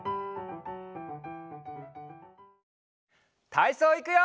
たいそういくよ！